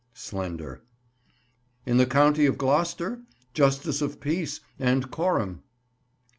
Slender. In the county of Gloster, justice of peace, and coram.